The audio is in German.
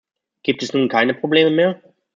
Gibt es nun keine Probleme mehr?